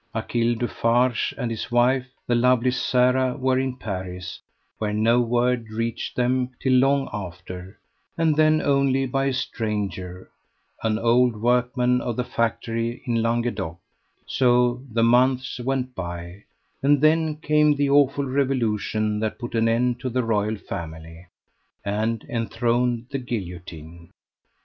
Achille Dufarge and his wife, the lovely Sara, were in Paris, where no word reached them till long after, and then only by a stranger, an old workman of the factory in Languedoc; so the months went by, and then came the awful revolution that put an end to the royal family, and enthroned the guillotine.